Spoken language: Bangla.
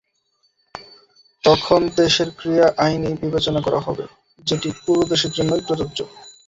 তখন দেশের ক্রীড়া আইনই বিবেচনা করা হবে, যেটি পুরো দেশের জন্যই প্রযোজ্য।